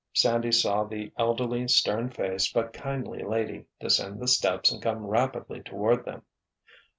Sandy saw the elderly, stern faced, but kindly lady descend the steps and come rapidly toward them.